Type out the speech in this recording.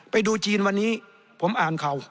ไปดูจีนวันนี้ผมอ่านข่าว